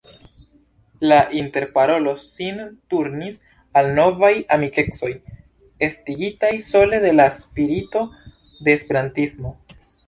La interparolo sin turnis al novaj amikecoj, estigitaj sole de la spirito de Esperantismo.